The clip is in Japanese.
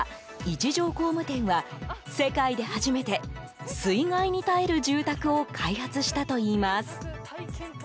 一条工務店は、世界で初めて水害に耐える住宅を開発したといいます。